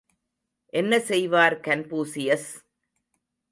என்ன செய்வார் கன்பூசியஸ்?